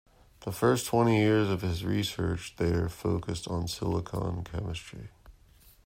The first twenty years of his research there focused on silicon chemistry.